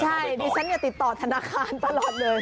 ใช่ดิฉันติดต่อธนาคารตลอดเลย